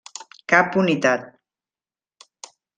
Cap unitat.